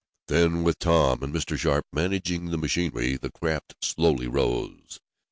Then, with Tom and Mr. Sharp managing the machinery, the craft slowly rose.